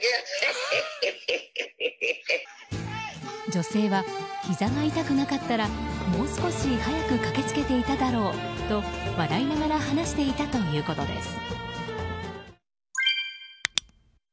女性はひざが痛くなかったらもう少し早く駆けつけていただろうと笑いながら話していたということです。